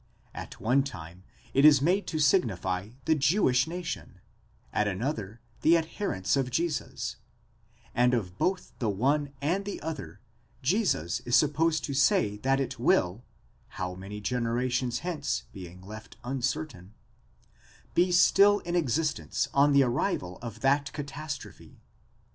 At one time it is made to signify the Jewish nation ; 10 at another the adherents of Jesus ;" and of both the one and the other Jesus is supposed to say that it will (how many generations hence being left uncertain) be still in existence on the arrival of that cata strophe.